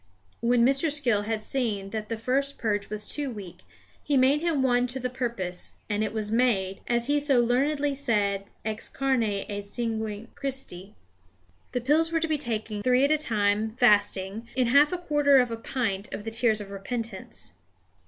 When Mr. Skill had seen that the first purge was too weak, he made him one to the purpose; and it was made, as he so learnedly said, ex carne et sanguine Christi. The pills were to be taken three at a time, fasting, in half a quarter of a pint of the tears of repentance.